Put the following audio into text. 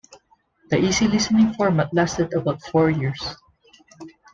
The easy listening format lasted about four years.